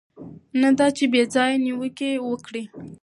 نه دا چې بې ځایه نیوکې وکړي.